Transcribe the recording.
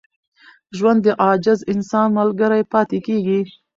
ژوند د عاجز انسان ملګری پاتې کېږي.